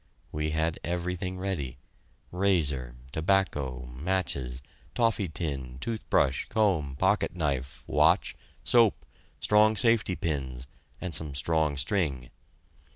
We had everything ready razor, tobacco, matches, toffee tin, toothbrush, comb, pocket knife, watch, soap, strong safety pins, and some strong string.